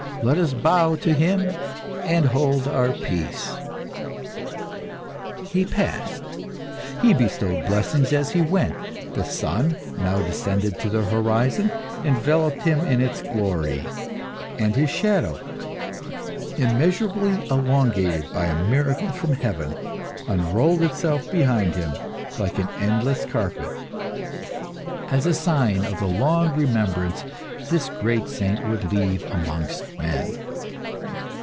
Let us bow to Him and hold our peace." He passed. He bestowed blessings as he went. The sun, now descended to the horizon, enveloped him in its glory, and his shadow, immeasurably elongated by a miracle from heaven, unrolled itself behind him like an endless carpet, as a sign of the long remembrance this great saint would leave amongst men.